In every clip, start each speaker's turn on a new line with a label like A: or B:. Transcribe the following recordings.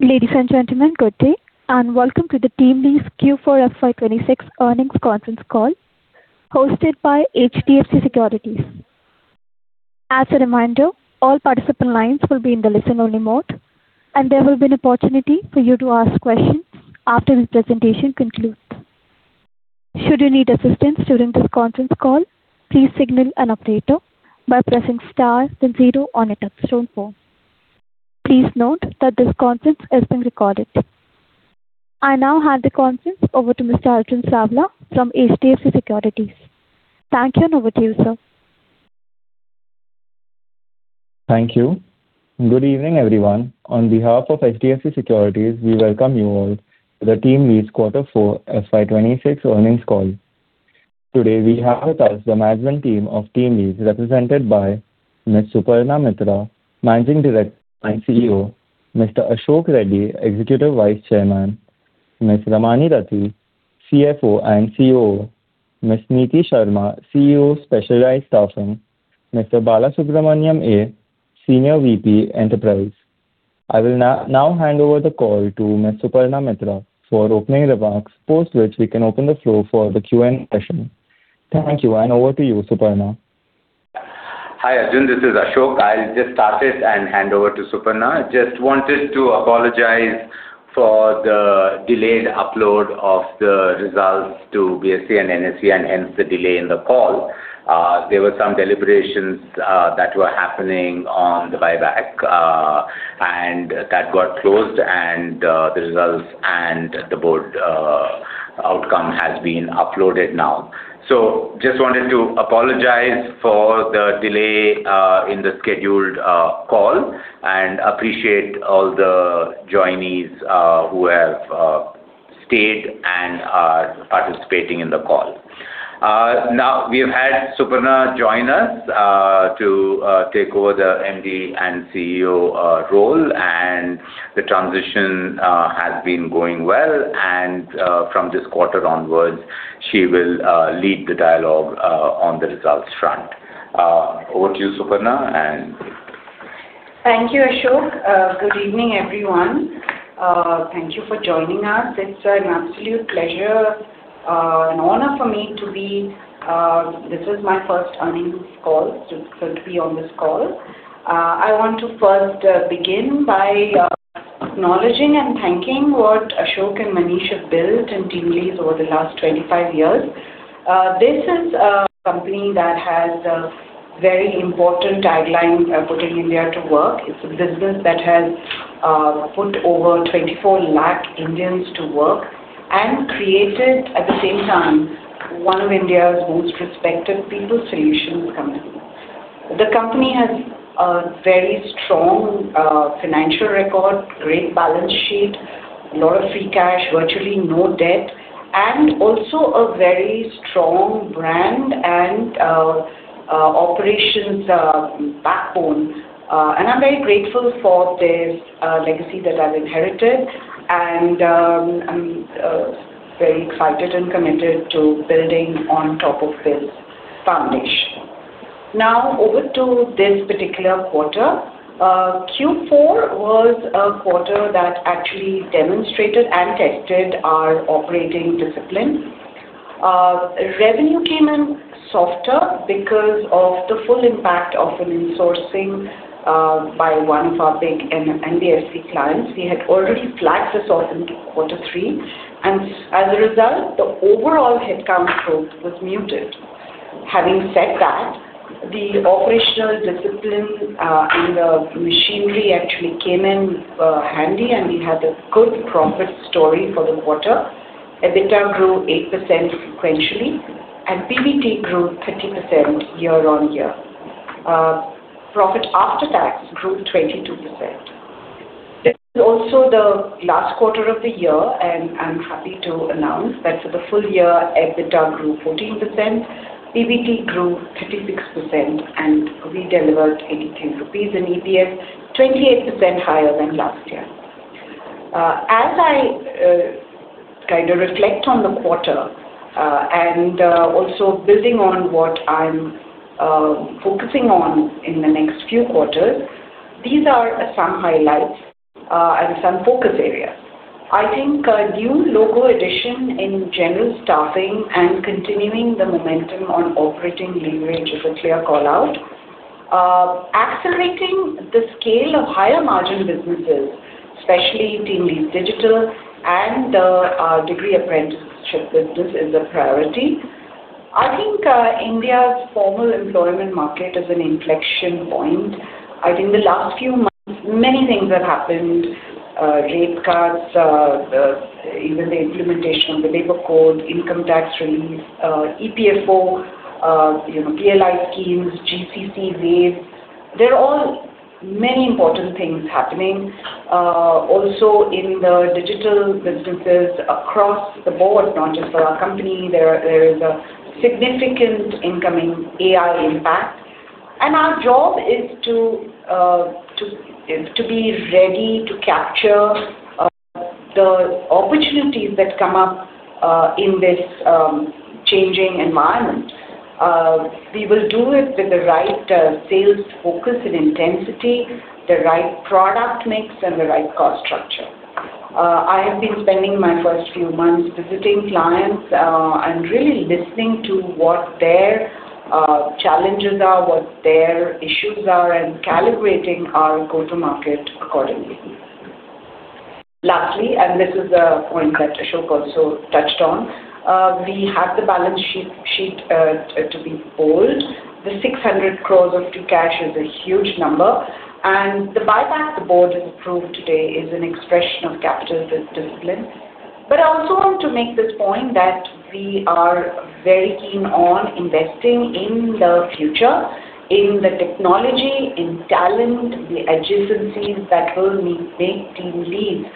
A: Ladies and gentlemen, good day, and welcome to the TeamLease Q4 FY 2026 earnings conference call hosted by HDFC Securities. I now hand the conference over to Mr. Arjun Savla from HDFC Securities. Thank you, and over to you, sir.
B: Thank you. Good evening, everyone. On behalf of HDFC Securities, we welcome you all to the TeamLease Q4 FY 2026 earnings call. Today, we have with us the management team of TeamLease represented by Ms. Suparna Mitra, Managing Director and CEO; Mr. Ashok Reddy, Executive Vice Chairman; Ms. Ramani Dathi, CFO and COO; Ms. Neeti Sharma, CEO Specialized Staffing; Mr. Balasubramanian A., Senior VP, Enterprise. I will now hand over the call to Ms. Suparna Mitra for opening remarks, post which we can open the floor for the Q&A session. Thank you. Over to you, Suparna.
C: Hi, Arjun. This is Ashok. I'll just start it and hand over to Suparna. Just wanted to apologize for the delayed upload of the results to BSE and NSE and hence the delay in the call. There were some deliberations that were happening on the buyback, and that got closed, and the results and the board outcome has been uploaded now. Just wanted to apologize for the delay in the scheduled call and appreciate all the joinees who have stayed and are participating in the call. Now, we've had Suparna join us to take over the MD and CEO role, and the transition has been going well. From this quarter onwards, she will lead the dialogue on the results front. Over to you, Suparna.
D: Thank you, Ashok. Good evening, everyone. Thank you for joining us. It's an absolute pleasure, and honor for me to be. This is my first earnings call to be on this call. I want to first begin by acknowledging and thanking what Ashok and Manish have built in TeamLease over the last 25 years. This is a company that has a very important tagline, Putting India to Work. It's a business that has put over 24 lakh Indians to work and created, at the same time, one of India's most respected people solutions company. The company has a very strong financial record, great balance sheet, a lot of free cash, virtually no debt, and also a very strong brand and operations backbone. I'm very grateful for this legacy that I've inherited, and I'm very excited and committed to building on top of this foundation. Over to this particular quarter. Q4 was a quarter that actually demonstrated and tested our operating discipline. Revenue came in softer because of the full impact of an insourcing by one of our big NBFC clients. We had already flagged this out into quarter three, and as a result, the overall headcount growth was muted. Having said that, the operational discipline and the machinery actually came in handy, and we had a good profit story for the quarter. EBITDA grew 8% sequentially, and PBT grew 30% year-on-year. Profit after tax grew 22%. This is also the last quarter of the year, and I'm happy to announce that for the full year, EBITDA grew 14%, PBT grew 36%, and we delivered 83 rupees in EPS, 28% higher than last year. As I kind of reflect on the quarter, and also building on what I'm focusing on in the next few quarters, these are some highlights and some focus areas. I think a new logo addition in general staffing and continuing the momentum on operating leverage is a clear call-out. Accelerating the scale of higher margin businesses, especially TeamLease Digital and our degree apprenticeship business is a priority. I think India's formal employment market is an inflection point. I think the last few months, many things have happened. Rate cuts, even the implementation of the labor code, income tax release, EPFO, you know, PLI schemes, GCC waves. There are all many important things happening. Also in the digital businesses across the board, not just for our company, there is a significant incoming AI impact. Our job is to be ready to capture the opportunities that come up in this changing environment. We will do it with the right sales focus and intensity, the right product mix, and the right cost structure. I have been spending my first few months visiting clients and really listening to what their challenges are, what their issues are, and calibrating our go-to-market accordingly. Lastly, this is a point that Ashok also touched on, we have the balance sheet to be bold. The 600 crores of true cash is a huge number, and the buyback the board has approved today is an expression of capital dis-discipline. I also want to make this point that we are very keen on investing in the future, in the technology, in talent, the adjacencies that will make TeamLease,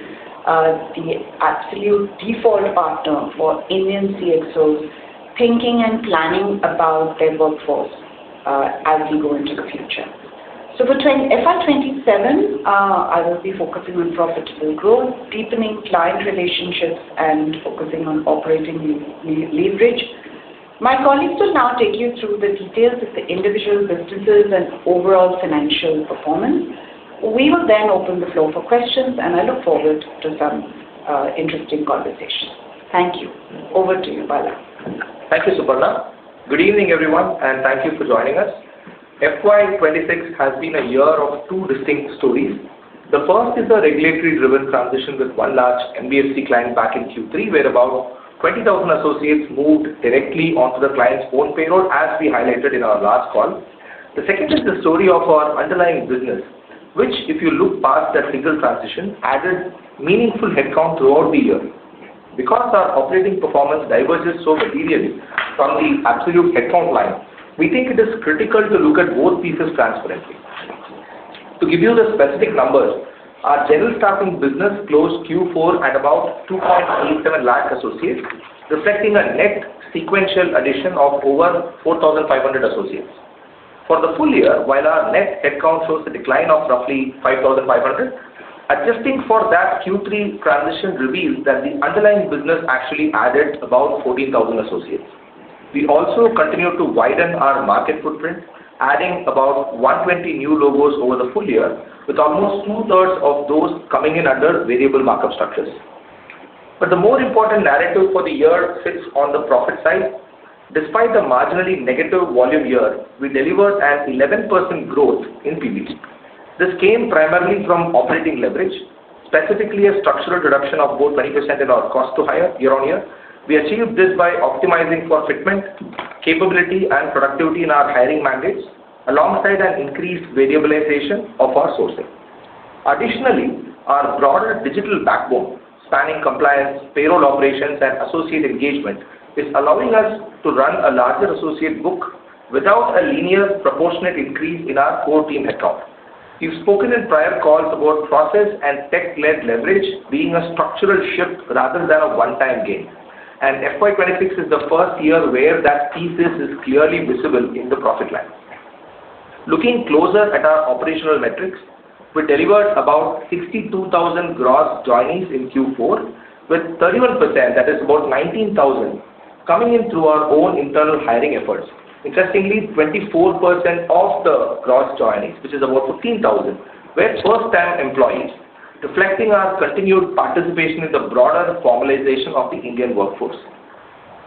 D: the absolute default partner for Indian CxOs thinking and planning about their workforce, as we go into the future. Between FY 2027, I will be focusing on profitable growth, deepening client relationships, and focusing on operating leverage. My colleagues will now take you through the details of the individual businesses and overall financial performance. We will then open the floor for questions, and I look forward to some interesting conversations. Thank you. Over to you, Bala.
E: Thank you, Suparna. Good evening, everyone, and thank you for joining us. FY 2026 has been a year of two distinct stories. The first is a regulatory-driven transition with one large NBFC client back in Q3, where about 20,000 associates moved directly onto the client's own payroll, as we highlighted in our last call. The second is the story of our underlying business, which, if you look past that single transition, added meaningful headcount throughout the year. Because our operating performance diverges so materially from the absolute headcount line, we think it is critical to look at both pieces transparently. To give you the specific numbers, our General Staffing business closed Q4 at about 2.87 lakh associates, reflecting a net sequential addition of over 4,500 associates. For the full year, while our net headcount shows a decline of roughly 5,500, adjusting for that Q3 transition reveals that the underlying business actually added about 14,000 associates. We also continued to widen our market footprint, adding about 120 new logos over the full year, with almost 2/3 of those coming in under variable markup structures. The more important narrative for the year sits on the profit side. Despite a marginally negative volume year, we delivered an 11% growth in PBT. This came primarily from operating leverage, specifically a structural reduction of over 20% in our cost to hire year-on-year. We achieved this by optimizing for fitment, capability, and productivity in our hiring mandates, alongside an increased variabilization of our sourcing. Additionally, our broader digital backbone, spanning compliance, payroll operations, and associate engagement, is allowing us to run a larger associate book without a linear proportionate increase in our core team headcount. We've spoken in prior calls about process and tech-led leverage being a structural shift rather than a one-time gain, and FY 2026 is the first year where that thesis is clearly visible in the profit line. Looking closer at our operational metrics, we delivered about 62,000 gross joinees in Q4, with 31%, that is about 19,000, coming in through our own internal hiring efforts. Interestingly, 24% of the gross joinees, which is about 15,000, were first-time employees, reflecting our continued participation in the broader formalization of the Indian workforce.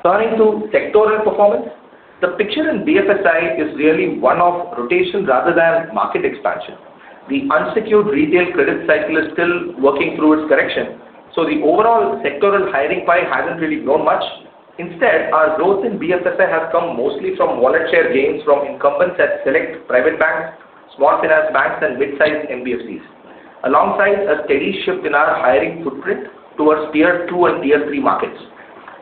E: Turning to sectoral performance, the picture in BFSI is really one of rotation rather than market expansion. The unsecured retail credit cycle is still working through its correction, the overall sectoral hiring pie hasn't really grown much. Instead, our growth in BFSI has come mostly from wallet share gains from incumbents at select private banks, small finance banks, and mid-sized NBFCs, alongside a steady shift in our hiring footprint towards Tier 2 and Tier 3 markets.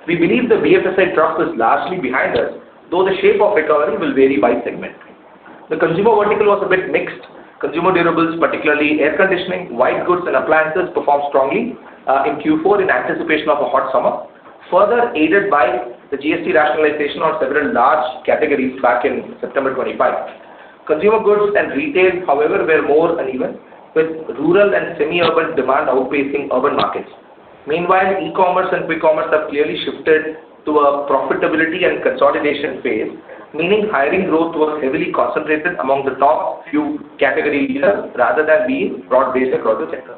E: We believe the BFSI trough is largely behind us, though the shape of recovery will vary by segment. The consumer vertical was a bit mixed. Consumer durables, particularly air conditioning, white goods, and appliances, performed strongly in Q4 in anticipation of a hot summer, further aided by the GST rationalization of several large categories back in September 25. Consumer goods and retail, however, were more uneven, with rural and semi-urban demand outpacing urban markets. Meanwhile, e-commerce and quick commerce have clearly shifted to a profitability and consolidation phase, meaning hiring growth was heavily concentrated among the top few category leaders rather than being broad-based across the sector.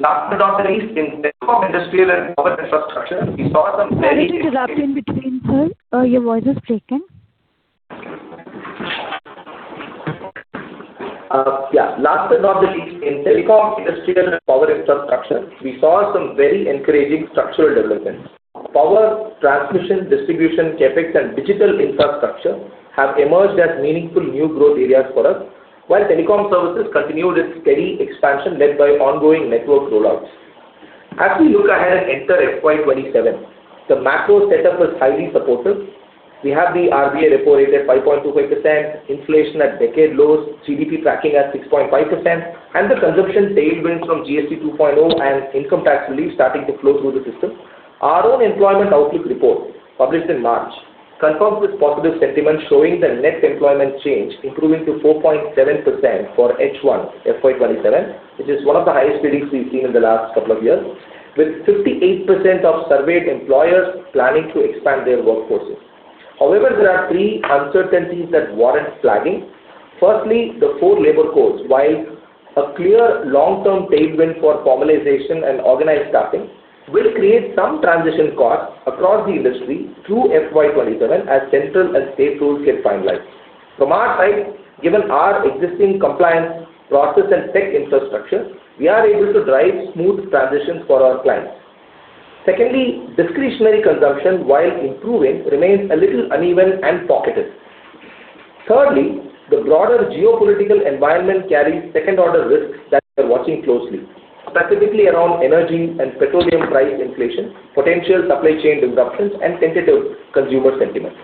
E: Last but not the least, in telecom, industrial, and power infrastructure, we saw some very encouraging-
A: Sorry to interrupt you in between, sir. Your voice is breaking.
E: Yeah. Last but not the least, in telecom, industrial, and power infrastructure, we saw some very encouraging structural developments. Power transmission, distribution, CapEx, and digital infrastructure have emerged as meaningful new growth areas for us, while telecom services continued its steady expansion led by ongoing network rollouts. As we look ahead and enter FY 2027, the macro setup is highly supportive. We have the RBI repo rate at 5.25%, inflation at decade lows, GDP tracking at 6.5%, and the consumption tailwinds from GST 2.0 and income tax relief starting to flow through the system. Our own employment outlook report, published in March, confirm this positive sentiment showing the net employment change improving to 4.7% for H1 FY 2027, which is one of the highest readings we've seen in the last couple of years, with 58% of surveyed employers planning to expand their workforces. However, there are three uncertainties that warrant flagging. Firstly, the four labor codes, while a clear long-term tailwind for formalization and organized staffing, will create some transition costs across the industry through FY 2027 as central and state rules get finalized. From our side, given our existing compliance process and tech infrastructure, we are able to drive smooth transitions for our clients. Secondly, discretionary consumption, while improving, remains a little uneven and pocketed. Thirdly, the broader geopolitical environment carries second-order risks that we are watching closely, specifically around energy and petroleum price inflation, potential supply chain disruptions, and tentative consumer sentiment.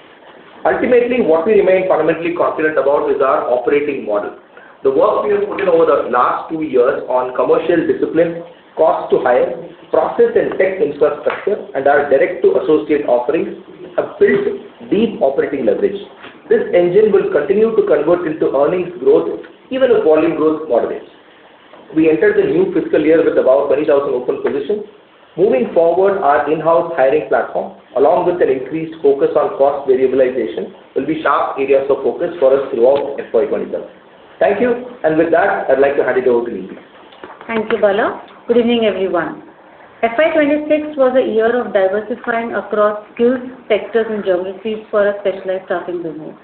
E: Ultimately, what we remain fundamentally confident about is our operating model. The work we have put in over the last two years on commercial discipline, cost to hire, process and tech infrastructure, and our direct-to-associate offerings have built deep operating leverage. This engine will continue to convert into earnings growth even as volume growth moderates. We entered the new fiscal year with about 20,000 open positions. Moving forward, our in-house hiring platform, along with an increased focus on cost variabilization, will be sharp areas of focus for us throughout FY 2027. Thank you. With that, I'd like to hand it over to Neeti.
F: Thank you, Bala. Good evening, everyone. FY 2026 was a year of diversifying across skills, sectors, and geographies for our specialized staffing business.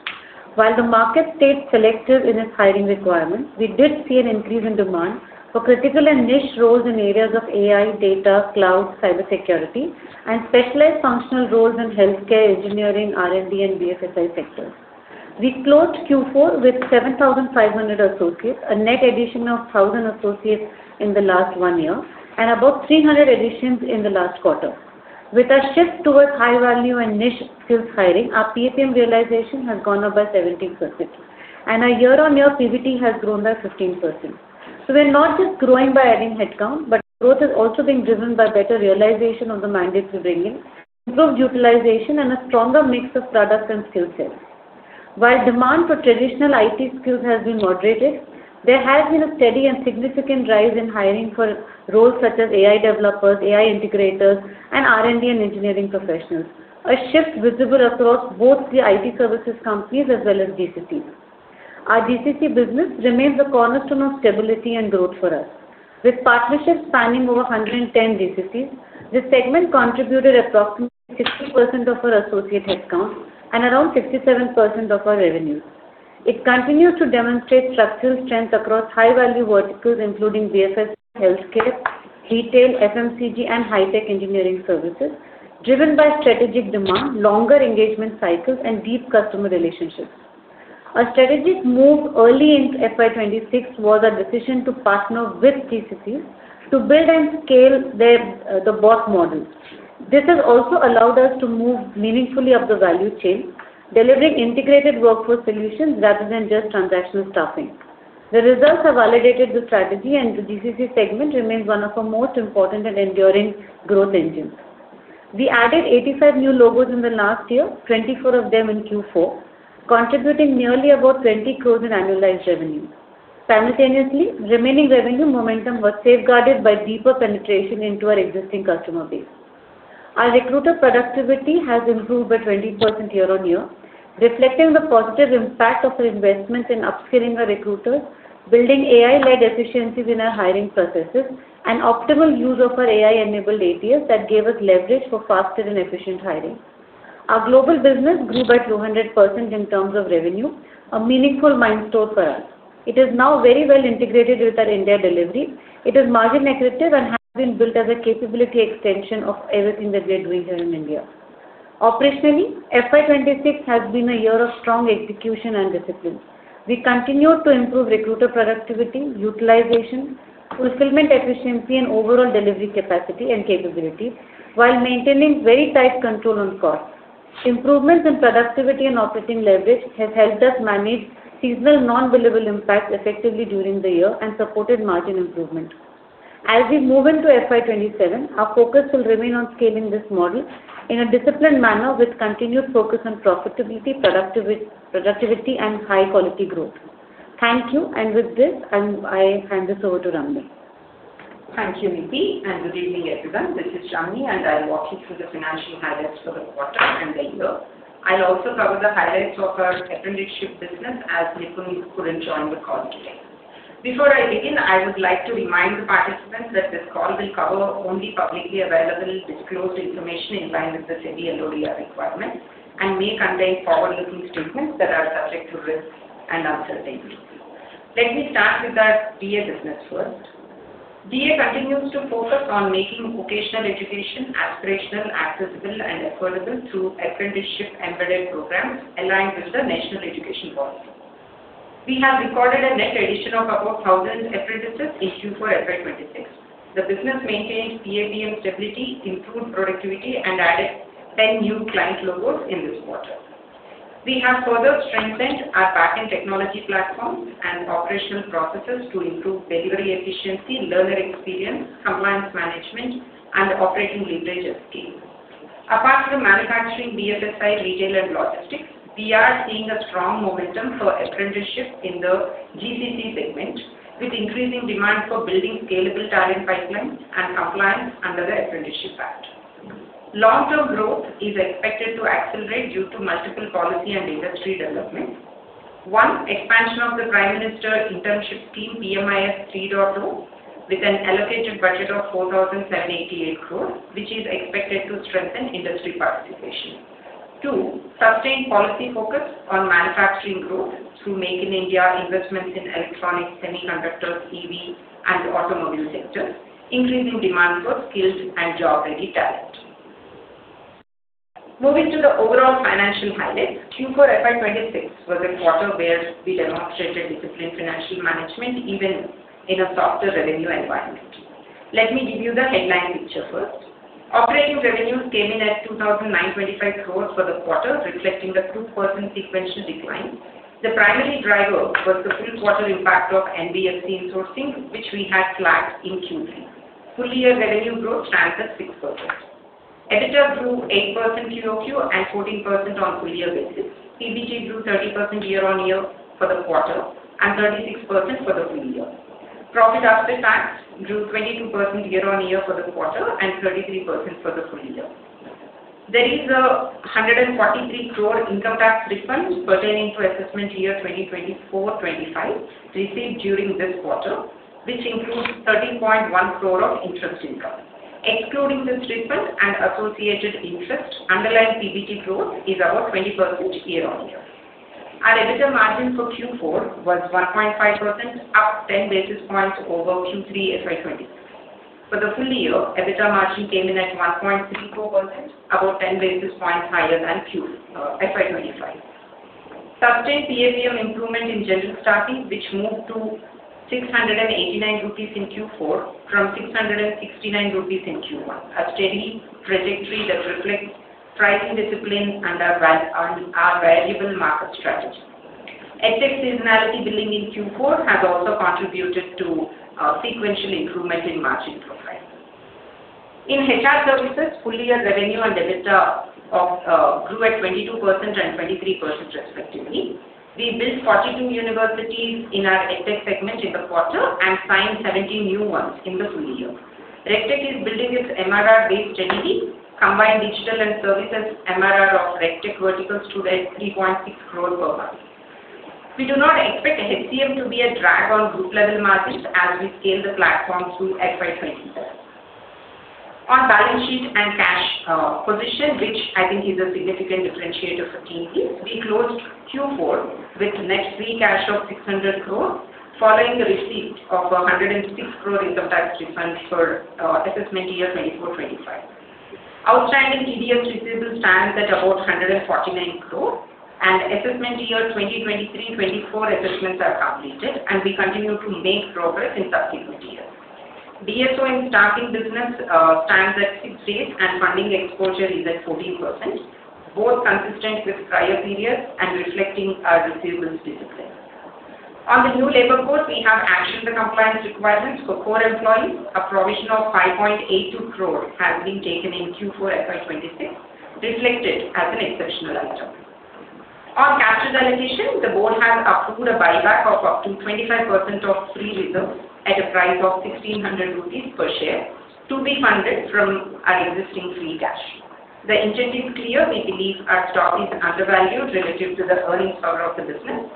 F: While the market stayed selective in its hiring requirements, we did see an increase in demand for critical and niche roles in areas of AI, data, cloud, cybersecurity, and specialized functional roles in healthcare, engineering, R&D, and BFSI sectors. We closed Q4 with 7,500 associates, a net addition of 1,000 associates in the last one year, and above 300 additions in the last quarter. With a shift towards high-value and niche skills hiring, our PAPM realization has gone up by 17%, and our year-on-year PBT has grown by 15%. We're not just growing by adding headcount, but our growth has also been driven by better realization of the mandates we bring in, improved utilization, and a stronger mix of products and skill sets. While demand for traditional IT skills has been moderated, there has been a steady and significant rise in hiring for roles such as AI developers, AI integrators, and R&D and engineering professionals, a shift visible across both the IT services companies as well as GCC. Our GCC business remains a cornerstone of stability and growth for us. With partnerships spanning over 110 GCCs, this segment contributed approximately 60% of our associate headcount and around 67% of our revenue. It continues to demonstrate structural strength across high-value verticals, including BFSI, healthcare, retail, FMCG, and high-tech engineering services, driven by strategic demand, longer engagement cycles, and deep customer relationships. A strategic move early in FY 2026 was a decision to partner with GCCs to build and scale their the BOT model. This has also allowed us to move meaningfully up the value chain, delivering integrated workforce solutions rather than just transactional staffing. The results have validated the strategy, and the GCC segment remains one of our most important and enduring growth engines. We added 85 new logos in the last year, 24 of them in Q4, contributing nearly about 20 crores in annualized revenue. Simultaneously, remaining revenue momentum was safeguarded by deeper penetration into our existing customer base. Our recruiter productivity has improved by 20% year-over-year, reflecting the positive impact of our investments in upskilling our recruiters, building AI-led efficiencies in our hiring processes, and optimal use of our AI-enabled ATS that gave us leverage for faster and efficient hiring. Our global business grew by 200% in terms of revenue, a meaningful milestone for us. It is now very well integrated with our India delivery. It is margin-aggressive and has been built as a capability extension of everything that we are doing here in India. Operationally, FY 2026 has been a year of strong execution and discipline. We continued to improve recruiter productivity, utilization, fulfillment efficiency, and overall delivery capacity and capability while maintaining very tight control on costs. Improvements in productivity and operating leverage have helped us manage seasonal non-billable impacts effectively during the year and supported margin improvement. As we move into FY 2027, our focus will remain on scaling this model in a disciplined manner with continued focus on profitability, productivity, and high-quality growth. Thank you. With this, I hand this over to Ramani.
G: Thank you, Neeti. Good evening, everyone. This is Ramani, I'll walk you through the financial highlights for the quarter and the year. I'll also cover the highlights of our apprenticeship business as Nikunj couldn't join the call today. Before I begin, I would like to remind the participants that this call will cover only publicly available disclosed information in line with the SEBI LODR requirement and may contain forward-looking statements that are subject to risks and uncertainties. Let me start with our DA business first. DA continues to focus on making vocational education aspirational, accessible, and affordable through apprenticeship-embedded programs aligned with the National Education Policy. We have recorded a net addition of above 1,000 apprenticeships issued for FY 2026. The business maintained PAPM stability, improved productivity, and added 10 new client logos in this quarter. We have further strengthened our back-end technology platforms and operational processes to improve delivery efficiency, learner experience, compliance management, and operating leverage at scale. Apart from manufacturing, BFSI, retail, and logistics, we are seeing a strong momentum for apprenticeship in the GCC segment, with increasing demand for building scalable talent pipelines and compliance under the Apprentices Act. Long-term growth is expected to accelerate due to multiple policy and industry developments. One, expansion of the Prime Minister Internship Scheme, PMIS 3.2, with an allocated budget of 4,788 crores, which is expected to strengthen industry participation. Two, sustained policy focus on manufacturing growth through Make in India investments in electronics, semiconductors, EV, and automobile sectors, increasing demand for skilled and job-ready talent. Moving to the overall financial highlights. Q4 FY 2026 was a quarter where we demonstrated disciplined financial management even in a softer revenue environment. Let me give you the headline picture first. Operating revenues came in at 2,925 crores for the quarter, reflecting the 2% sequential decline. The primary driver was the full quarter impact of NBFC insourcing, which we had flagged in Q3. Full year revenue growth stands at 6%. EBITDA grew 8% QOQ and 14% on full-year basis. PBT grew 30% year-on-year for the quarter and 36% for the full year. Profit after tax grew 22% year-on-year for the quarter and 33% for the full year. There is an 143 crore income tax refund pertaining to assessment year 2024-2025 received during this quarter, which includes 13.1 crore of interest income. Excluding this refund and associated interest, underlying PBT growth is about 20% year-on-year. Our EBITDA margin for Q4 was 1.5%, up 10 basis points over Q3 FY 2026. For the full year, EBITDA margin came in at 1.34%, about 10 basis points higher than FY 2025. Sustained HCM improvement in General Staffing, which moved to 689 rupees in Q4 from 669 rupees in Q1, a steady trajectory that reflects pricing discipline and our valuable market strategy. EdTech seasonality billing in Q4 has also contributed to sequential improvement in margin profile. In HR services, full year revenue and EBITDA grew at 22% and 23% respectively. We built 42 universities in our EdTech segment in the quarter and signed 17 new ones in the full year. RegTech is building its MRR base steadily. Combined digital and services MRR of RegTech verticals stood at 3.6 crore per month. We do not expect HCM to be a drag on group level margins as we scale the platform through FY 2027. On balance sheet and cash position, which I think is a significant differentiator for TeamLease, we closed Q4 with net free cash of 600 crores following the receipt of 106 crore income tax refund for assessment year 2024-2025. Outstanding TDS receivables stands at about 149 crore, and assessment year 2023-2024 assessments are completed, and we continue to make progress in subsequent years. DSO in staffing business stands at six days, and funding exposure is at 14%, both consistent with prior periods and reflecting our receivables discipline. On the new labor code, we have actioned the compliance requirements for core employees. A provision of 5.82 crore has been taken in Q4 FY 2026, reflected as an exceptional item. On capital allocation, the board has approved a buyback of up to 25% of free reserves at a price of 1,600 rupees per share to be funded from our existing free cash. The intent is clear. We believe our stock is undervalued relative to the earnings power of the business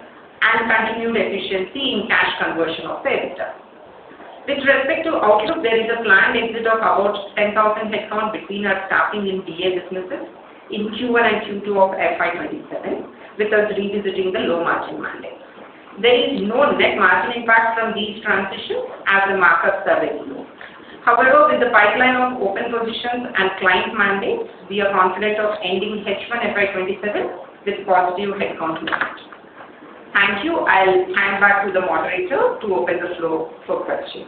G: and continued efficiency in cash conversion of the EBITDA. With respect to outlook, there is a planned exit of about 10,000 headcount between our staffing and BA businesses in Q1 and Q2 of FY 2027, with us revisiting the low-margin mandate. There is no net margin impact from these transitions as the markups are very low. With the pipeline of open positions and client mandates, we are confident of ending H1 FY 2027 with positive headcount impact. Thank you. I'll hand back to the moderator to open the floor for questions.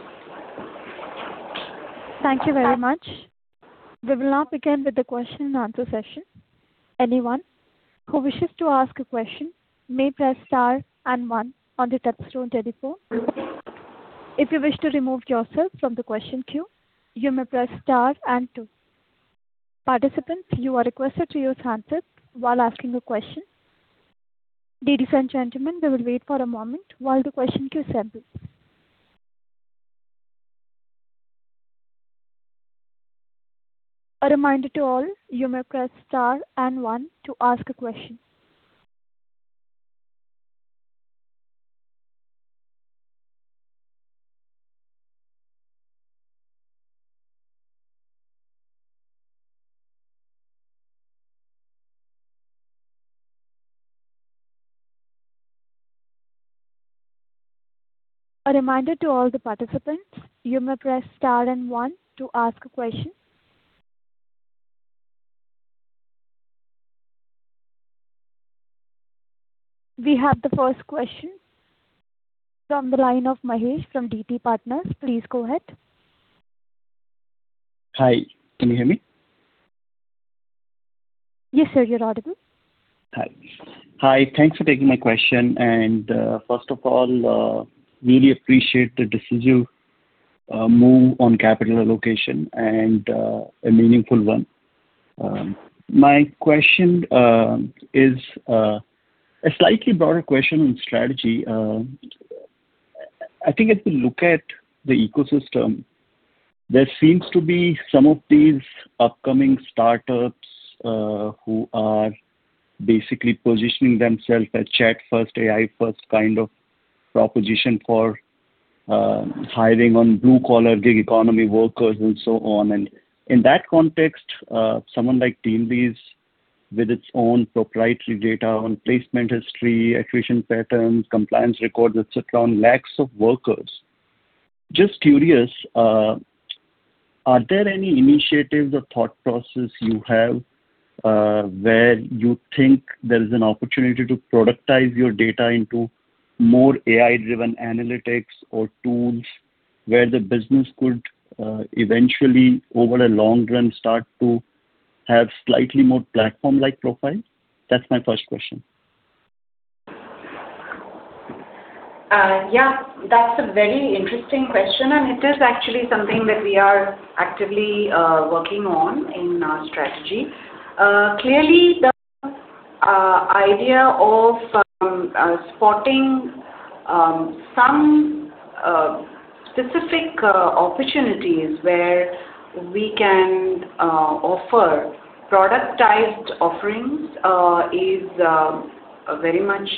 A: Thank you very much. We will now begin with the question and answer session. Anyone who wishes to ask a question may press star and 1 on their touch-tone telephone. If you wish to remove yourself from the question queue, you may press star and two. Participants, you are requested to use handset while asking a question. Ladies and gentlemen, we will wait for a moment while the question queue assembles. A reminder to all, you may press star and one to ask a question. A reminder to all the participants, you may press star and one to ask a question. We have the first question from the line of Mahesh from DT Partners. Please go ahead.
H: Hi, can you hear me?
A: Yes, sir. You're audible.
H: Hi. Hi, thanks for taking my question. First of all, really appreciate the decisive move on capital allocation and a meaningful one. My question is a slightly broader question on strategy. I think if you look at the ecosystem, there seems to be some of these upcoming startups, who are basically positioning themselves as chat first, AI first kind of proposition for hiring on blue-collar gig economy workers and so on. In that context, someone like TeamLease with its own proprietary data on placement history, attrition patterns, compliance records, et cetera, on lakhs of workers. Just curious, are there any initiatives or thought process you have, where you think there is an opportunity to productize your data into more AI-driven analytics or tools where the business could, eventually, over a long-run, start to have slightly more platform-like profile? That's my first question.
D: Yeah, that's a very interesting question, and it is actually something that we are actively working on in our strategy. Clearly the idea of spotting some specific opportunities where we can offer productized offerings is very much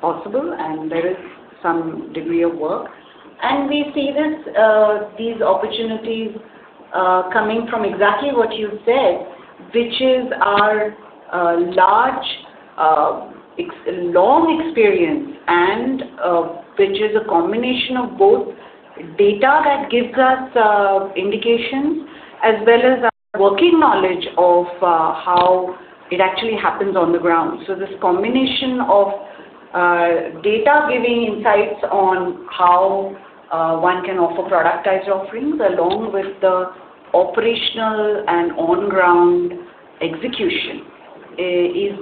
D: possible, and there is some degree of work. We see these opportunities coming from exactly what you said, which is our large long experience and which is a combination of both data that gives us indications as well as our working knowledge of how it actually happens on the ground. This combination of data giving insights on how one can offer productized offerings along with the operational and on-ground execution is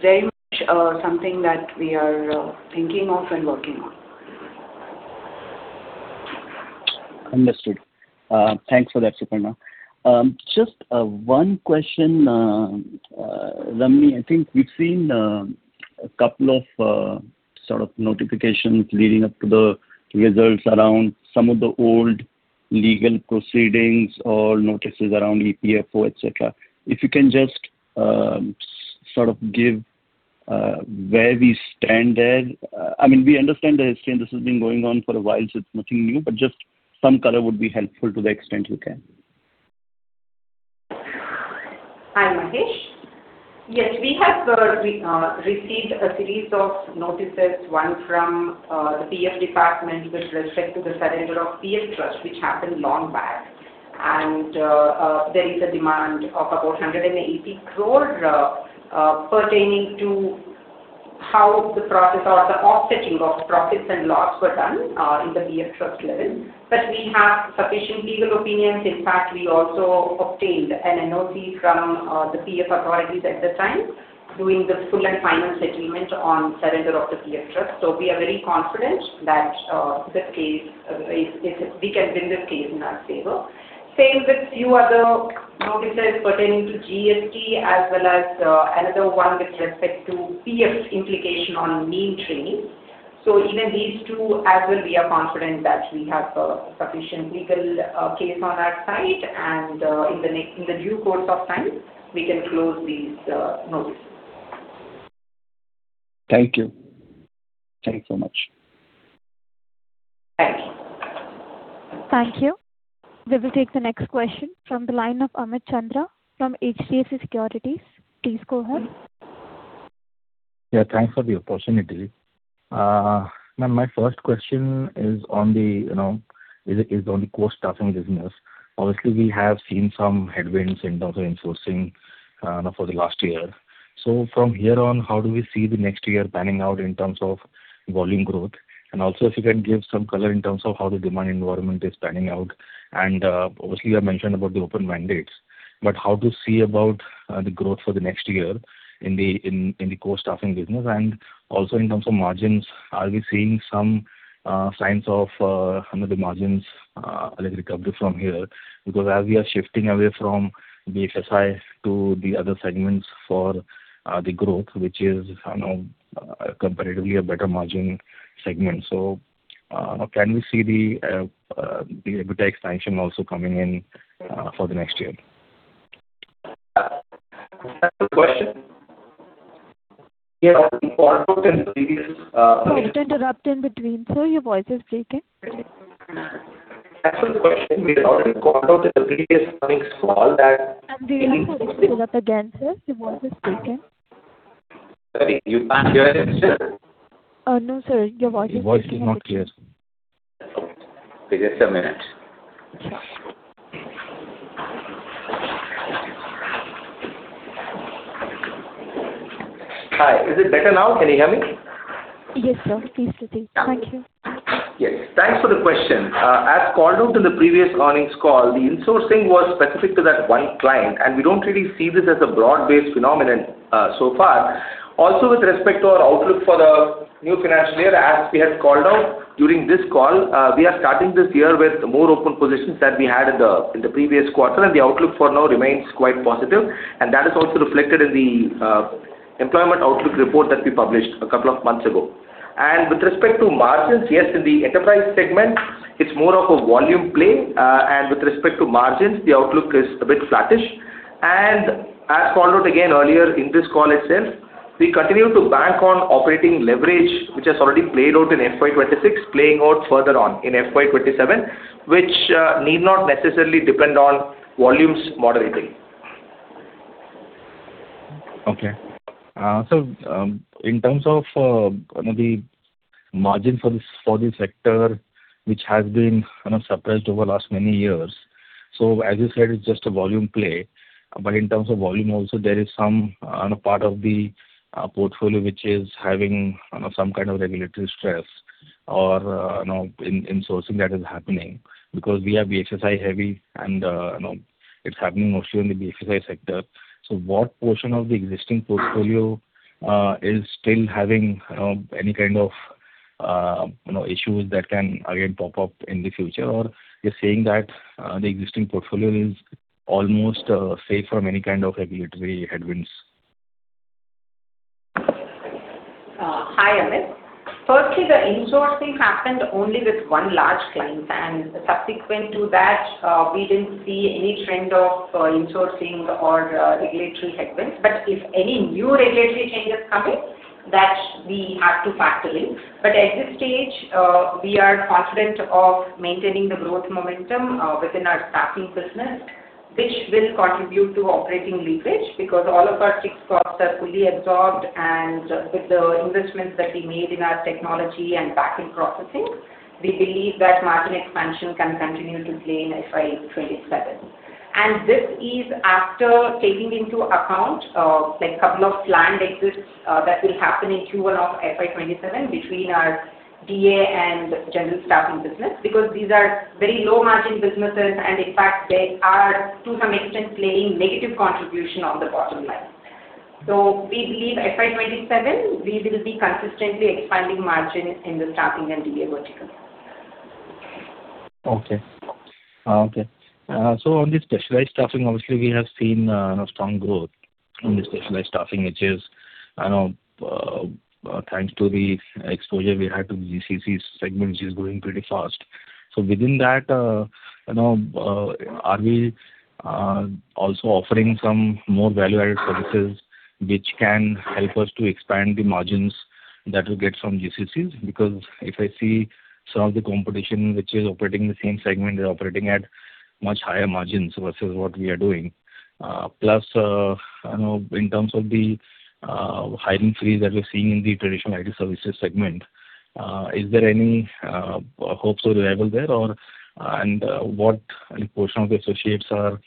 D: very much something that we are thinking of and working on.
H: Understood. Thanks for that, Suparna. Just one question, Ramani. I think we've seen a couple of sort of notifications leading up to the results around some of the old legal proceedings or notices around EPFO, et cetera. If you can just sort of give where we stand there. I mean, we understand the history and this has been going on for a while, so it's nothing new, but just some color would be helpful to the extent you can.
G: Hi, Mahesh. Yes, we have received a series of notices, one from the PF department with respect to the surrender of PF trust, which happened long back. There is a demand of about 180 crore pertaining to how the process or the offsetting of profits and loss were done in the PF trust level. We have sufficient legal opinions. In fact, we also obtained an NOC from the PF authorities at the time doing the full and final settlement on surrender of the PF trust. We are very confident that the case We can win this case in our favor. Same with few other notices pertaining to GST as well as another one with respect to PF's implication on mean training. Even these two as well, we are confident that we have sufficient legal case on our side and in the due course of time, we can close these notices.
H: Thank you. Thank you so much.
G: Thank you.
A: Thank you. We will take the next question from the line of Amit Chandra from HDFC Securities. Please go ahead.
I: Thanks for the opportunity. Ma'am, my first question is on the, you know, is on the core staffing business. We have seen some headwinds in terms of insourcing for the last year. From here on, how do we see the next year panning out in terms of volume growth? Also if you can give some color in terms of how the demand environment is panning out. Obviously you have mentioned about the open mandates, but how to see about the growth for the next year in the core staffing business. Also in terms of margins, are we seeing some signs of, you know, the margins like recovery from here? As we are shifting away from BFSI to the other segments for the growth, which is, I know, comparatively a better margin segment. Can we see the EBITDA expansion also coming in for the next year?
E: Second question. We had already caught out.
A: Sorry to interrupt in between, sir. Your voice is breaking.
E: Actually, the question we had already caught out in the previous earnings call.
A: We are not able to pick up again, sir. Your voice is breaking.
I: Sorry, you can't hear him still?
A: no, sir. Your voice is-
I: Your voice is not clear.
E: Give me just a minute. Hi. Is it better now? Can you hear me?
A: Yes, sir. Please proceed. Thank you.
E: Yes. Thanks for the question. As called out in the previous earnings call, the insourcing was specific to that one client, and we don't really see this as a broad-based phenomenon so far. Also, with respect to our outlook for the new financial year, as we had called out during this call, we are starting this year with more open positions than we had in the previous quarter, and the outlook for now remains quite positive. That is also reflected in the employment outlook report that we published two months ago. With respect to margins, yes, in the enterprise segment it's more of a volume play. With respect to margins, the outlook is a bit flattish. As called out again earlier in this call itself, we continue to bank on operating leverage, which has already played out in FY 2026, playing out further on in FY 2027, which need not necessarily depend on volumes moderating.
I: Okay. In terms of, you know, the margin for this, for this sector, which has been, you know, suppressed over last many years. As you said, it's just a volume play. In terms of volume also, there is some part of the portfolio which is having, you know, some kind of regulatory stress or, you know, insourcing that is happening because we are BFSI heavy and, you know, it's happening mostly in the BFSI sector. What portion of the existing portfolio is still having, you know, any kind of, you know, issues that can again pop up in the future? Or you're saying that the existing portfolio is almost safe from any kind of regulatory headwinds?
G: Hi, Amit. Firstly, the insourcing happened only with one large client, subsequent to that, we didn't see any trend of insourcing or regulatory headwinds. If any new regulatory changes come in, that we have to factor in. At this stage, we are confident of maintaining the growth momentum within our staffing business, which will contribute to operating leverage because all of our fixed costs are fully absorbed. With the investments that we made in our technology and backend processing, we believe that margin expansion can continue to play in FY 2027. This is after taking into account, like couple of planned exits, that will happen in Q1 of FY 2027 between our DA and general staffing business, because these are very low-margin businesses and in fact they are to some extent playing negative contribution on the bottom line. We believe FY 2027 we will be consistently expanding margin in the staffing and DA vertical.
I: On the specialized staffing, obviously we have seen, you know, strong growth in the specialized staffing, which is, you know, thanks to the exposure we had to GCC segment, which is growing pretty fast. Within that, you know, are we also offering some more value-added services which can help us to expand the margins that we get from GCCs? Because if I see some of the competition which is operating in the same segment, they're operating at much higher margins versus what we are doing. Plus, you know, in terms of the hiring freeze that we're seeing in the traditional IT services segment, is there any hopes of revival there or what portion of the associates are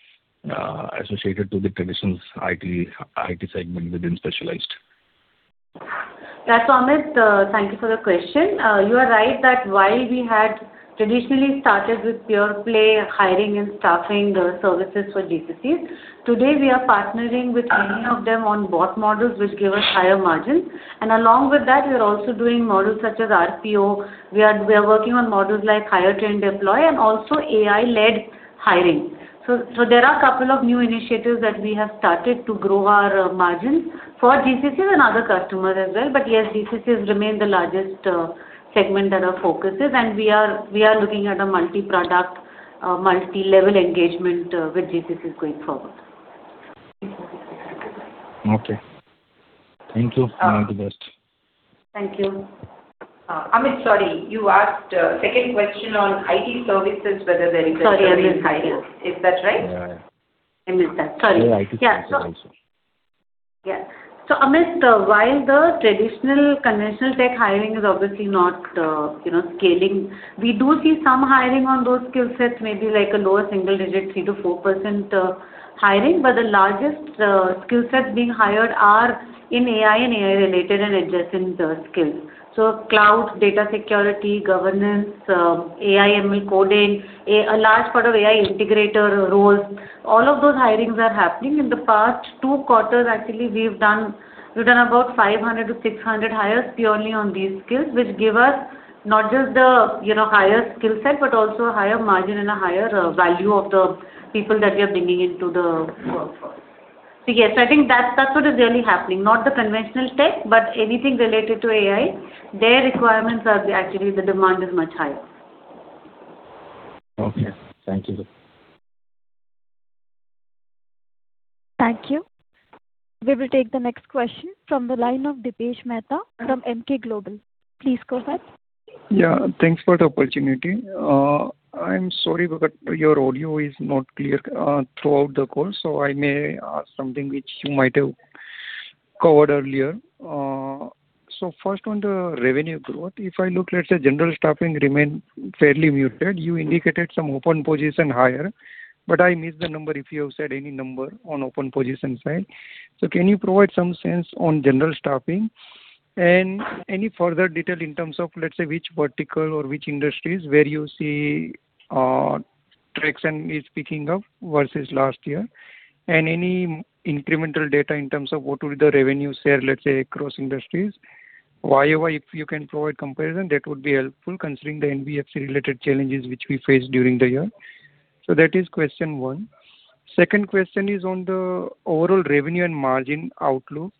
I: associated to the traditional IT segment within specialized?
F: Amit, thank you for the question. You are right that while we had traditionally started with pure play hiring and staffing services for GCCs, today we are partnering with many of them on both models which give us higher margins. Along with that, we are also doing models such as RPO. We are working on models like hire, train, deploy, and also AI-led hiring. There are a couple of new initiatives that we have started to grow our margins for GCCs and other customers as well. Yes, GCCs remain the largest segment that our focus is, and we are looking at a multi-product, multi-level engagement with GCCs going forward.
I: Okay. Thank you. All the best.
F: Thank you.
G: Amit, sorry. You asked second question on IT services, whether there is any hiring.
A: Sorry, Amit. Yeah.
G: Is that right?
I: Yeah, yeah.
G: Amit, sorry.
I: Yeah, IT services also.
F: Yeah. Amit, while the traditional conventional tech hiring is obviously not, you know, scaling, we do see some hiring on those skill sets, maybe like a lower single digit, 3%-4% hiring. The largest skill sets being hired are in AI and AI-related and adjacent skills. Cloud, data security, governance, AI, ML coding, a large part of AI integrator roles, all of those hirings are happening. In the past two quarters actually we've done about 500-600 hires purely on these skills, which give us not just the, you know, higher skill set, but also a higher margin and a higher value of the people that we are bringing into the workforce.
G: Yes, I think that's what is really happening. Not the conventional tech, but anything related to AI, their requirements are. Actually, the demand is much higher.
I: Okay. Thank you.
A: Thank you. We will take the next question from the line of Dipesh Mehta from Emkay Global. Please go ahead.
J: Yeah, thanks for the opportunity. I'm sorry, but your audio is not clear throughout the call, so I may ask something which you might have covered earlier. First, on the revenue growth, if I look, let's say general staffing remain fairly muted. You indicated some open position hire, but I missed the number if you have said any number on open positions side. Can you provide some sense on general staffing? Any further detail in terms of, let's say, which vertical or which industries where you see, traction is picking up versus last year? Any incremental data in terms of what will be the revenue share, let's say, across industries? YoY, if you can provide comparison, that would be helpful considering the NBFC related challenges which we faced during the year. That is question one. Second question is on the overall revenue and margin outlook.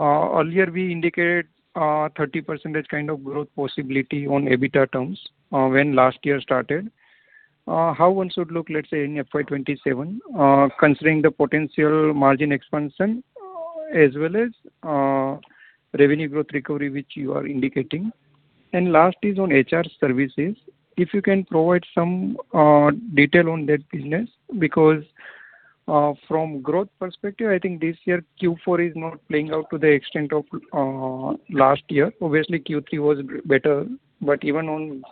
J: Earlier we indicated 30% kind of growth possibility on EBITDA terms when last year started. How one should look, let's say in FY 2027, considering the potential margin expansion, as well as revenue growth recovery which you are indicating. Last is on HR services. If you can provide some detail on that business, because from growth perspective, I think this year Q4 is not playing out to the extent of last year. Obviously Q3 was better, but even on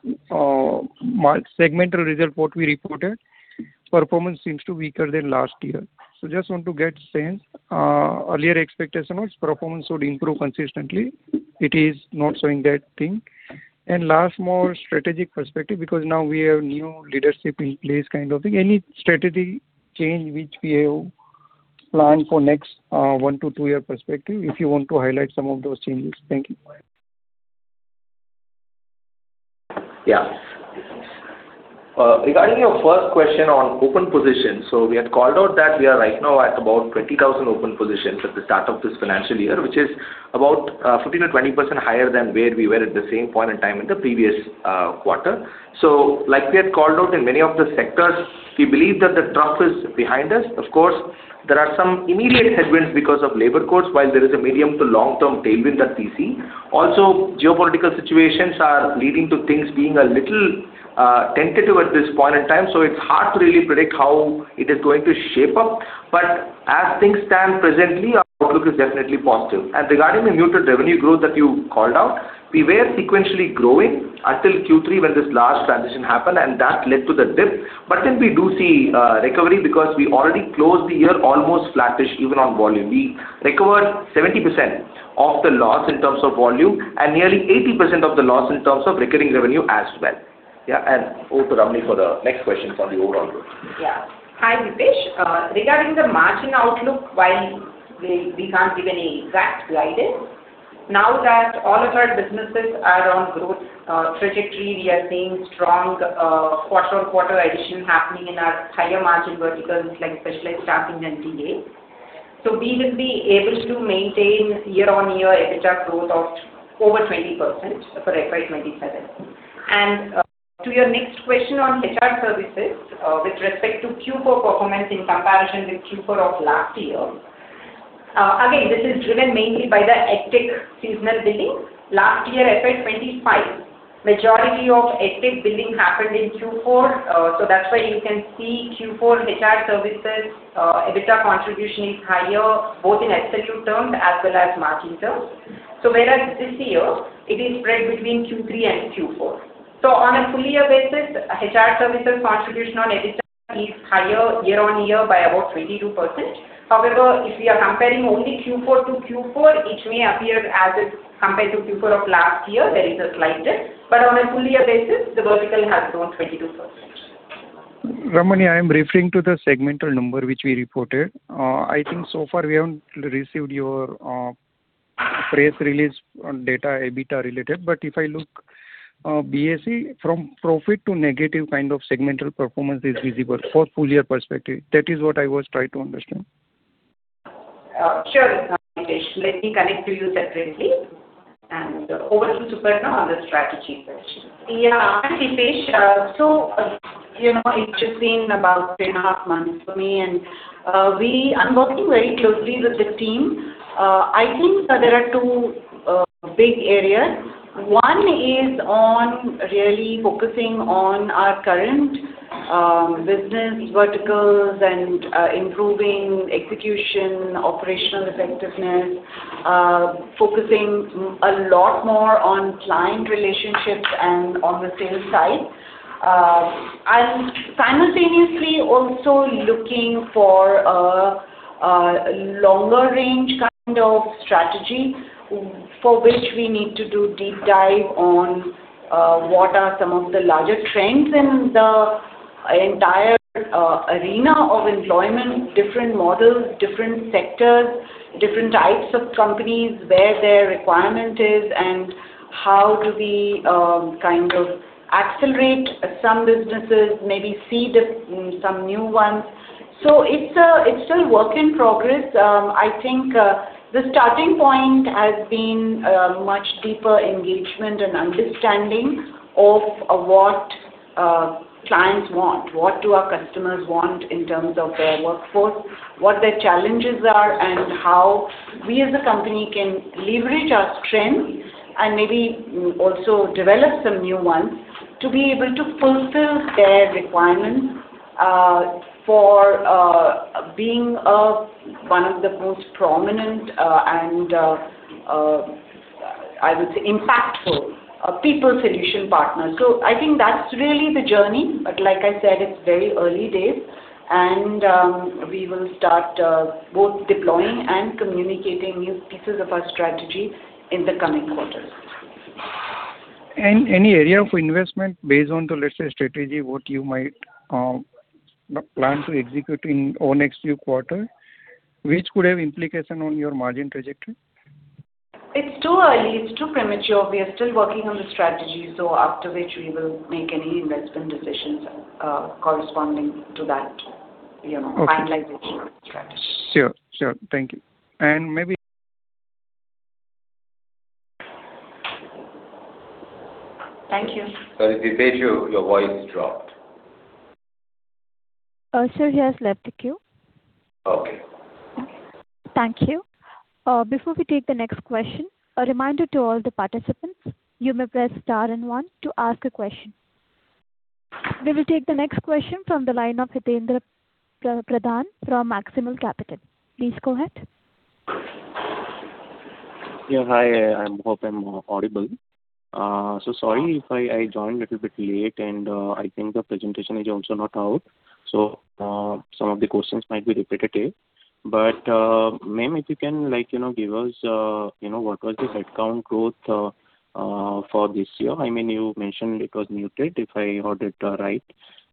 J: segmental result what we reported, performance seems to weaker than last year. Just want to get sense. Earlier expectation was performance would improve consistently. It is not showing that thing. Last, more strategic perspective, because now we have new leadership in place kind of thing. Any strategy change which we have planned for next, one to two year perspective, if you want to highlight some of those changes? Thank you.
E: Yeah. Regarding your first question on open positions, we had called out that we are right now at about 20,000 open positions at the start of this financial year, which is about 15%-20% higher than where we were at the same point in time in the previous quarter. Like we had called out in many of the sectors, we believe that the trough is behind us. Of course, there are some immediate headwinds because of labor costs while there is a medium to long-term tailwind that we see. Geopolitical situations are leading to things being a little tentative at this point in time, it's hard to really predict how it is going to shape up. As things stand presently, our outlook is definitely positive. Regarding the muted revenue growth that you called out, we were sequentially growing until Q3 when this large transition happened, and that led to the dip. We do see recovery because we already closed the year almost flattish even on volume. We recovered 70% of the loss in terms of volume, and nearly 80% of the loss in terms of recurring revenue as well. Yeah. Over to Ramani for the next questions on the overall growth.
G: Hi, Dipesh. Regarding the margin outlook, while we can't give any exact guidance, now that all of our businesses are on growth trajectory, we are seeing strong quarter-on-quarter addition happening in our higher margin verticals like Specialized Staffing and TA. We will be able to maintain year-on-year EBITDA growth of over 20% for FY 2027. To your next question on HR services, with respect to Q4 performance in comparison with Q4 of last year, again, this is driven mainly by the EdTech seasonal billing. Last year, FY 2025, majority of EdTech billing happened in Q4, that's why you can see Q4 HR services EBITDA contribution is higher, both in absolute terms as well as margin terms. Whereas this year it is spread between Q3 and Q4. On a full year basis, HR services contribution on EBITDA is higher year-over-year by about 22%. If we are comparing only Q4 to Q4, it may appear as if compared to Q4 of last year, there is a slight dip. On a full year basis, the vertical has grown 22%.
J: Ramani, I am referring to the segmental number which we reported. I think so far we haven't received your press release on data EBITDA related. If I look, BSE from profit to negative kind of segmental performance is visible for full year perspective. That is what I was trying to understand.
G: Sure, Dipesh. Let me connect to you separately. Over to Suparna on the strategy question.
D: Hi, Dipesh. You know, it's just been about 3.5 months for me and I'm working very closely with the team. I think there are two big areas. One is on really focusing on our current business verticals and improving execution, operational effectiveness, focusing a lot more on client relationships and on the sales side. I'm simultaneously also looking for a longer range kind of strategy for which we need to do deep dive on what are some of the larger trends in the entire arena of employment, different models, different sectors, different types of companies, where their requirement is, and how do we kind of accelerate some businesses, maybe seed some new ones. It's still work in progress. I think, the starting point has been a much deeper engagement and understanding of what clients want. What do our customers want in terms of their workforce, what their challenges are, and how we as a company can leverage our strengths and maybe also develop some new ones to be able to fulfill their requirements. For being one of the most prominent and I would say impactful people solution partner. I think that's really the journey. Like I said, it's very early days and we will start both deploying and communicating new pieces of our strategy in the coming quarters.
J: Any area of investment based on the, let's say, strategy, what you might plan to execute on next few quarter, which could have implication on your margin trajectory?
D: It's too early, it's too premature. We are still working on the strategy. After which we will make any investment decisions, corresponding to that, you know.
J: Okay.
D: likewise strategy.
J: Sure. Sure. Thank you.
G: Thank you.
C: Sorry, Dipesh, your voice dropped.
A: Sir, he has left the queue.
C: Okay.
A: Thank you. Before we take the next question, a reminder to all the participants, you may press star 1 to ask a question. We will take the next question from the line of Hitaindra Pradhan from Maximal Capital. Please go ahead.
K: Yeah. Hi. I hope I'm audible. So sorry if I joined a little bit late, and I think the presentation is also not out, so some of the questions might be repetitive. Ma'am, if you can, like, you know, give us, you know, what was the headcount growth for this year. I mean, you mentioned it was muted, if I heard it right.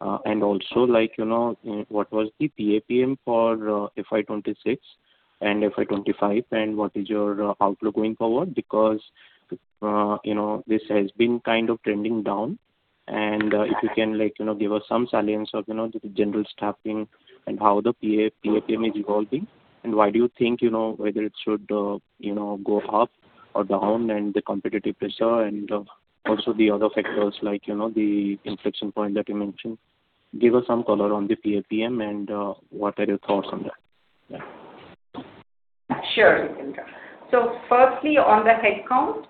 K: Also, like, you know, what was the PAPM for FY 2026 and FY 2025? What is your outlook going forward? Because, you know, this has been kind of trending down. If you can, like, you know, give us some salience of, you know, the general staffing and how the PAPM is evolving, and why do you think, you know, whether it should, you know, go up or down, and the competitive pressure, also the other factors like, you know, the inflection point that you mentioned. Give us some color on the PAPM and what are your thoughts on that? Yeah.
G: Sure, Hitaindra. Firstly, on the headcount,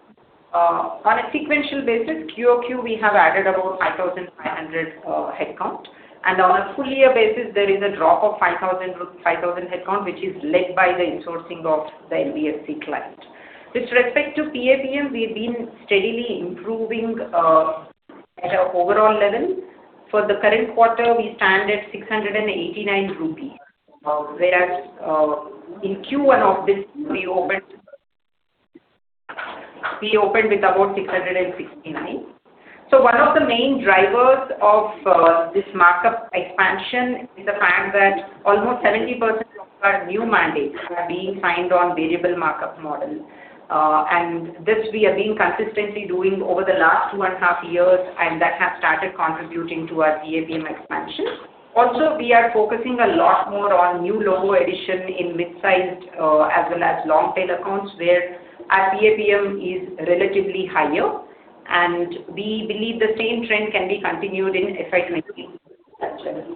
G: on a sequential basis, QOQ, we have added about 5,500 headcount. On a full year basis, there is a drop of 5,000 headcount, which is led by the insourcing of the NBFC client. With respect to PAPM, we've been steadily improving at an overall level. For the current quarter, we stand at 689 rupees. Whereas, in Q1 of this, we opened with about 669. One of the main drivers of this markup expansion is the fact that almost 70% of our new mandates are being signed on variable markup model. This we have been consistently doing over the last 2.5 years, and that has started contributing to our PAPM expansion. We are focusing a lot more on new logo addition in mid-sized, as well as long tail accounts, where our PAPM is relatively higher. We believe the same trend can be continued in FY 2023 as well.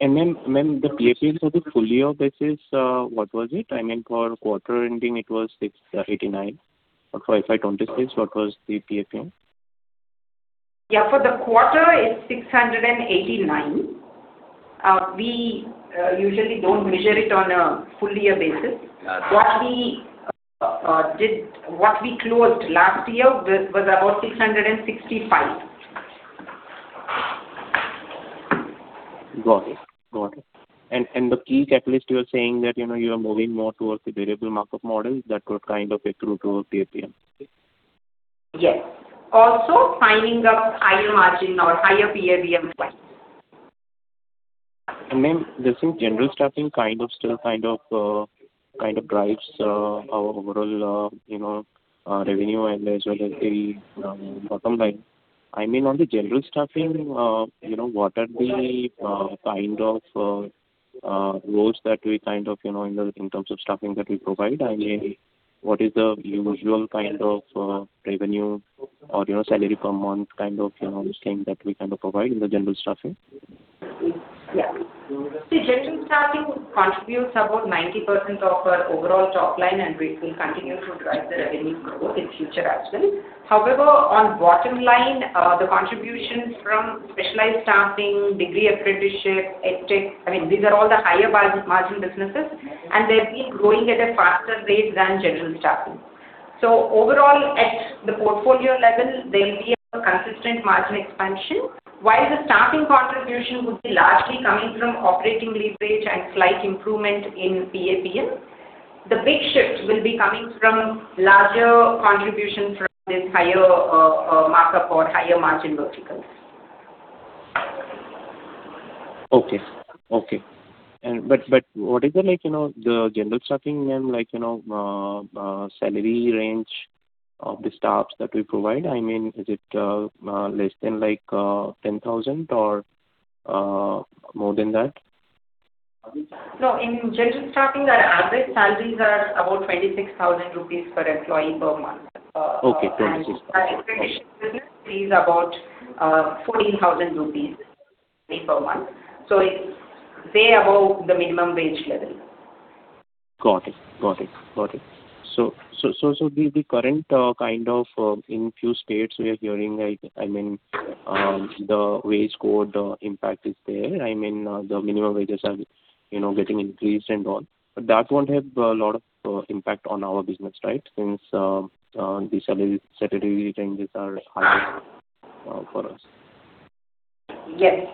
K: Ma'am, the PAPM for the full year basis, what was it? I mean, for quarter ending it was 689. For FY 2026, what was the PAPM?
G: For the quarter it's 689. We usually don't measure it on a full year basis. What we closed last year was about 665.
K: Got it. The key catalyst you were saying that, you know, you are moving more towards the variable markup model that would kind of accrue to PAPM.
G: Yes. Also signing up higher margin or higher PAPM clients.
K: Ma'am, this thing, general staffing kind of still drives our overall, you know, revenue and as well as the bottom line. I mean, on the general staffing, you know, what are the kind of roles that we kind of, you know, in terms of staffing that we provide? I mean, what is the usual kind of revenue or, you know, salary per month kind of, you know, those things that we kind of provide in the general staffing?
G: General staffing contributes about 90% of our overall top line, we will continue to drive the revenue growth in future as well. However, on bottom line, the contributions from specialized staffing, degree apprenticeship, EdTech, I mean, these are all the higher margin businesses, and they've been growing at a faster rate than general staffing. Overall, at the portfolio level, there will be a consistent margin expansion. While the staffing contribution would be largely coming from operating leverage and slight improvement in PAPM, the big shift will be coming from larger contribution from this higher markup or higher margin verticals.
K: Okay. Okay. What is the, like, you know, the general staffing, ma'am, like, you know, salary range of the staffs that we provide? I mean, is it less than, like, 10,000 or more than that?
G: No, in general staffing, our average salaries are about 26,000 rupees per employee per month.
K: Okay. 26,000.
G: Our apprenticeship business is about 14,000 rupees per month. It's way above the minimum wage level.
K: Got it. The current kind of in few states we are hearing, like, I mean, the wage code impact is there. I mean, the minimum wages are, you know, getting increased and all. That won't have a lot of impact on our business, right? Since these other statutory changes are higher for us.
G: Yes.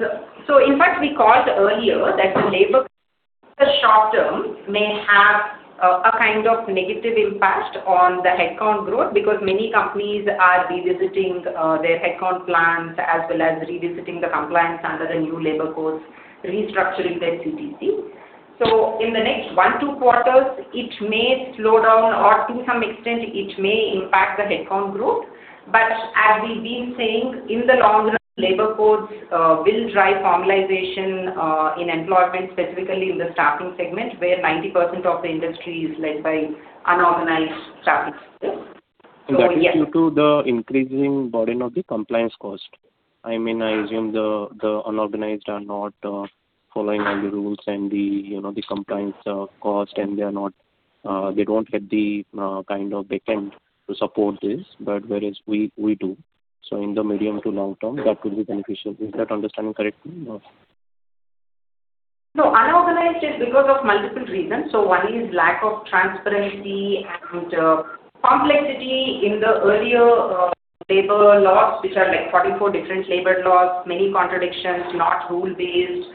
G: In fact we called earlier that the labor codes in the short-term may have a kind of negative impact on the headcount growth because many companies are revisiting their headcount plans as well as revisiting the compliance under the new labor codes, restructuring their CTC. In the next one, two quarters, it may slow down, or to some extent it may impact the headcount growth. As we've been saying, in the long run, labor codes will drive formalization in employment, specifically in the staffing segment, where 90% of the industry is led by unorganized staffing. Yeah.
K: That is due to the increasing burden of the compliance cost. I mean, I assume the unorganized are not following all the rules and the, you know, the compliance cost, and they don't have the kind of backend to support this, but whereas we do. In the medium to long-term, that could be beneficial. Is that understanding correctly or no?
G: Unorganized is because of multiple reasons. One is lack of transparency and complexity in the earlier labor laws, which are like 44 different labor laws, many contradictions, not rule-based,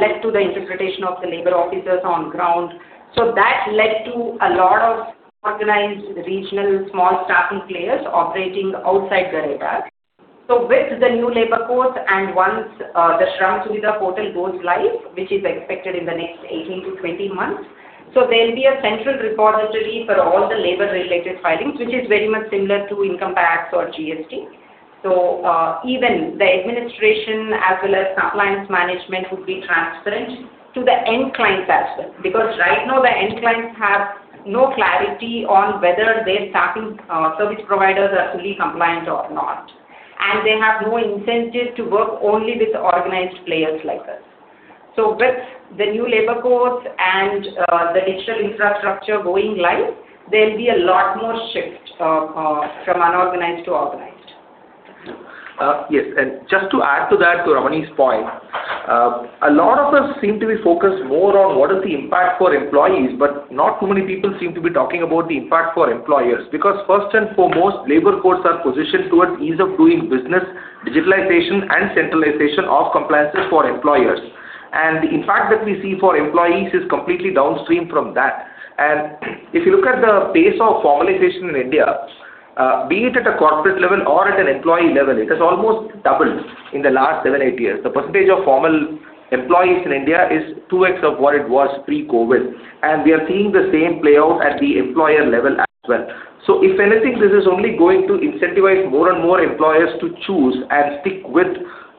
G: led to the interpretation of the labor officers on ground. That led to a lot of unorganized regional small staffing players operating outside the radar. With the new labor codes and once the Shram Suvidha Portal goes live, which is expected in the next 18 to 20 months. There'll be a central repository for all the labor-related filings, which is very much similar to income tax or GST. Even the administration as well as compliance management would be transparent to the end clients as well. Right now the end clients have no clarity on whether their staffing service providers are fully compliant or not. They have no incentive to work only with organized players like us. With the new labor codes and the digital infrastructure going live, there'll be a lot more shift from unorganized to organized.
E: Yes, just to add to that, to Ramani's point, a lot of us seem to be focused more on what is the impact for employees, but not too many people seem to be talking about the impact for employers. First and foremost, labor codes are positioned towards ease of doing business, digitalization, and centralization of compliances for employers. The impact that we see for employees is completely downstream from that. If you look at the pace of formalization in India, be it at a corporate level or at an employee level, it has almost doubled in the last seven, eight years. The percentage of formal employees in India is 2x of what it was pre-COVID, and we are seeing the same play out at the employer level as well. If anything, this is only going to incentivize more and more employers to choose and stick with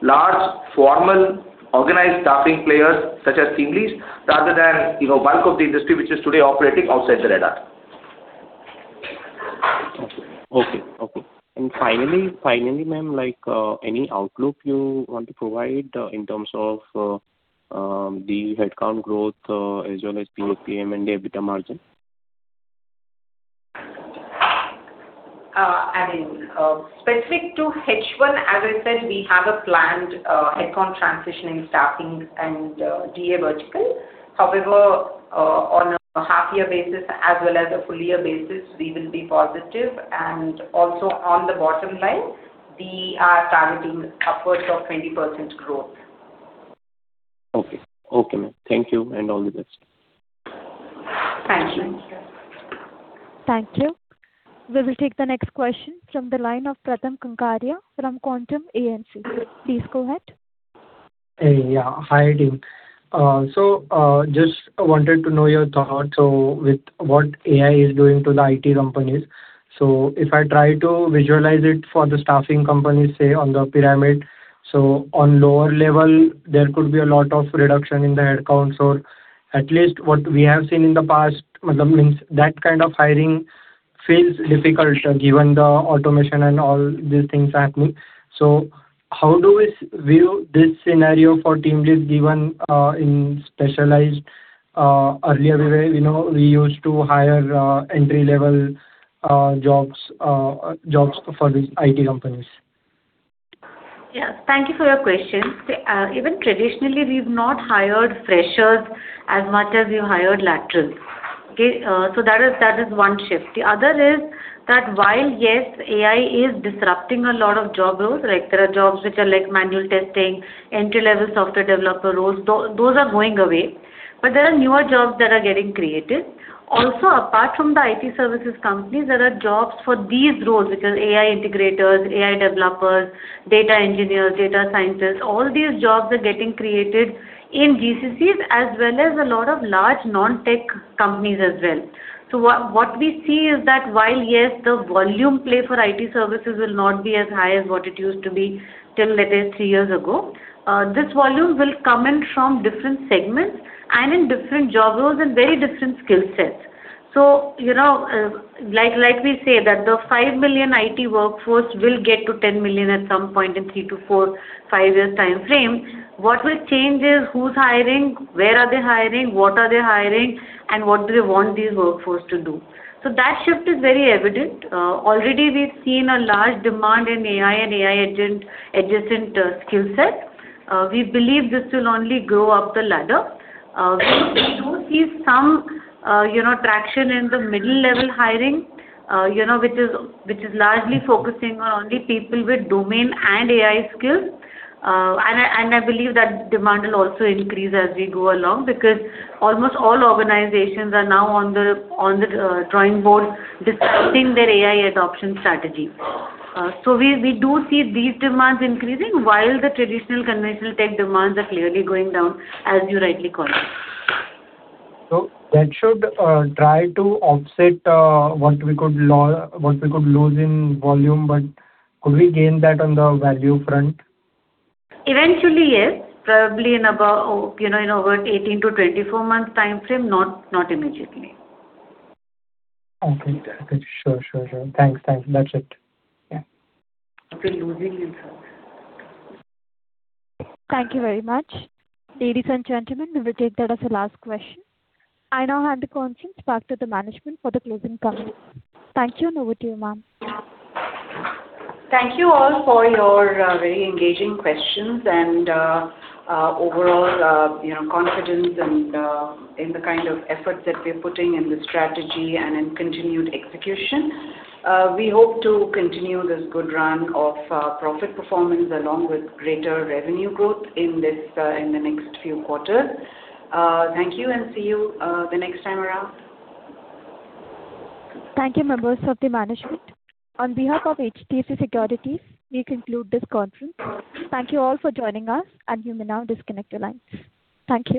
E: large, formal, organized staffing players such as TeamLease rather than, you know, bulk of the industry which is today operating outside the radar.
K: Okay. Finally, ma'am, like, any outlook you want to provide in terms of the headcount growth, as well as PM and EBITDA margin?
G: Specific to H1, as I said, we have a planned headcount transition in staffing and DA vertical. However, on a half year basis as well as a full year basis, we will be positive. On the bottom line, we are targeting upwards of 20% growth.
K: Okay. Okay, ma'am. Thank you and all the best.
G: Thank you.
A: Thank you. We will take the next question from the line of Pratham Kankariya from Quantum AMC. Please go ahead.
L: Hey. Yeah. Hi, team. Just wanted to know your thoughts with what AI is doing to the IT companies. If I try to visualize it for the staffing companies, say on the pyramid, on lower level there could be a lot of reduction in the headcounts, or at least what we have seen in the past, that means that kind of hiring faces difficulty given the automation and all these things happening. How do we view this scenario for TeamLease given in specialized earlier where, you know, we used to hire entry-level jobs for these IT companies?
F: Thank you for your question. Even traditionally, we've not hired freshers as much as we've hired laterals. That is one shift. The other is that while, yes, AI is disrupting a lot of job roles, like there are jobs which are like manual testing, entry-level software developer roles, those are going away, but there are newer jobs that are getting created. Apart from the IT services companies, there are jobs for these roles, which is AI integrators, AI developers, data engineers, data scientists. All these jobs are getting created in GCCs as well as a lot of large non-tech companies as well. What we see is that while, yes, the volume play for IT services will not be as high as what it used to be till, let's say, three years ago, this volume will come in from different segments and in different job roles and very different skill sets. You know, like we say that the 5 million IT workforce will get to 10 million at some point in three to four, five years timeframe. What will change is who's hiring, where are they hiring, what are they hiring, and what do they want these workforce to do. That shift is very evident. Already we've seen a large demand in AI and AI adjacent skill set. We believe this will only go up the ladder. We, we do see some, you know, traction in the middle-level hiring, you know, which is largely focusing on only people with domain and AI skills. I believe that demand will also increase as we go along because almost all organizations are now on the drawing board discussing their AI adoption strategy. We do see these demands increasing while the traditional conventional tech demands are clearly going down, as you rightly call it.
L: That should try to offset what we could lose in volume, but could we gain that on the value front?
F: Eventually, yes. Probably in about, you know, in about 18 to 24 months timeframe. Not immediately.
L: Okay. Sure. Thanks. That's it. Yeah.
F: After losing in
A: Thank you very much. Ladies and gentlemen, we will take that as the last question. I now hand the conference back to the management for the closing comments. Thank you, and over to you, ma'am.
D: Thank you all for your very engaging questions and overall, you know, confidence and in the kind of efforts that we're putting in the strategy and in continued execution. We hope to continue this good run of profit performance along with greater revenue growth in this in the next few quarters. Thank you and see you the next time around.
A: Thank you, members of the management. On behalf of HDFC Securities, we conclude this conference. Thank you all for joining us, and you may now disconnect your lines. Thank you.